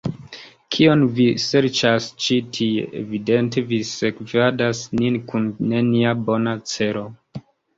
Kion vi serĉas ĉi tie? Evidente vi sekvadas nin kun nenia bona celo.